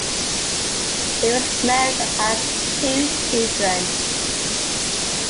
Steve is married and has two children.